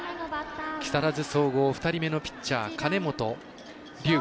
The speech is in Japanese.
木更津総合２人目のピッチャー金本琉瑚。